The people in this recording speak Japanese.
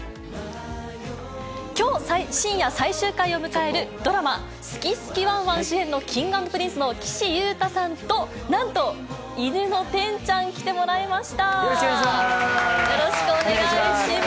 きょう、深夜最終回を迎える、ドラマ、すきすきワンワン！主演のＫｉｎｇ＆Ｐｒｉｎｃｅの岸優太さんと、なんと、犬のてんよろしくお願いします。